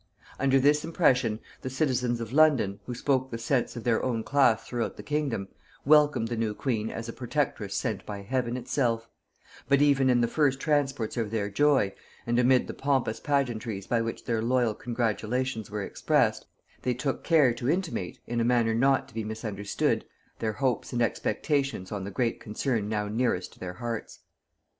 Under this impression the citizens of London, who spoke the sense of their own class throughout the kingdom, welcomed the new queen as a protectress sent by Heaven itself: but even in the first transports of their joy, and amid the pompous pageantries by which their loyal congratulations were expressed, they took care to intimate, in a manner not to be misunderstood, their hopes and expectations on the great concern now nearest to their hearts.